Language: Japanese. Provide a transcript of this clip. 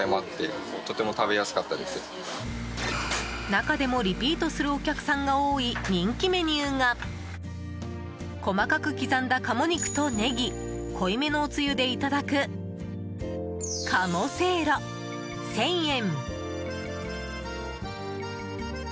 中でもリピートするお客さんが多い人気メニューが細かく刻んだ鴨肉とネギ濃い目のおつゆでいただく鴨せいろ、１０００円。